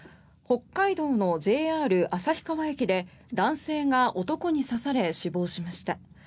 北海道のＪＲ旭川駅で男性が男に刺され死亡しました。